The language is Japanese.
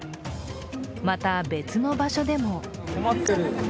また、別の場所でも。